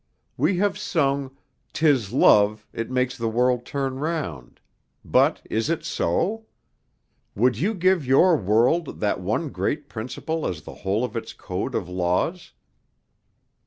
We have sung, ''Tis love, it makes the world turn round,' but is it so? Would you give your world that one great principle as the whole of its code of laws?"